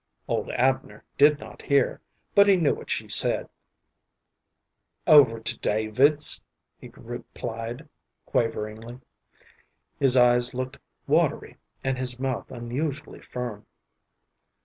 Old Abner did not hear, but he knew what she said. "Over to David's," he replied, quaveringly. His eyes looked watery, and his mouth unusually firm.